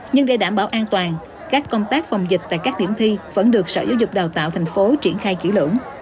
nhưng để đảm bảo an toàn các công tác phòng dịch tại các điểm thi vẫn được sở giáo dục đào tạo thành phố triển khai chỉ lượng